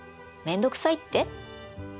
面倒くさいって？